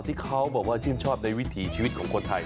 ที่เขาบอกว่าชื่นชอบในวิถีชีวิตของคนไทย